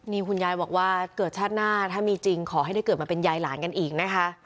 นี่คุณยายบอกว่าเกิดชาติหน้าถ้ามีจริงขอให้ได้เกิดมาเป็นยายหลานกันอีกนะคะ